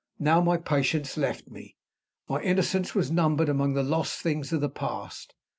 Now my patience left me; my innocence was numbered among the lost things of the past.